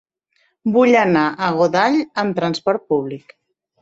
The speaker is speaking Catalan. Vull anar a Godall amb trasport públic.